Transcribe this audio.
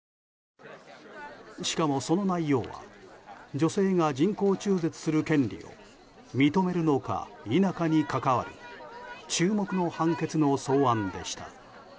しかも、その内容は女性が人工中絶する権利を認めるのか否かに関わる注目の判決の草案でした。